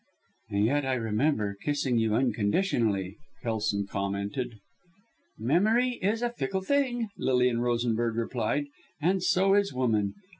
"And yet I remember kissing you unconditionally," Kelson commented. "Memory is a fickle thing," Lilian Rosenberg replied, "and so is woman.